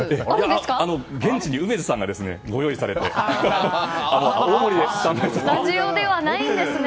現地の梅津さんがご用意されてスタジオではないんですね。